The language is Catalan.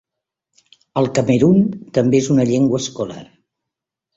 Al Camerun també és una llengua escolar.